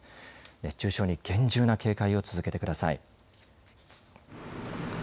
熱中症に厳重な警戒を続けてください。